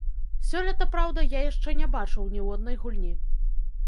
Сёлета, праўда, я яшчэ не бачыў ніводнай гульні.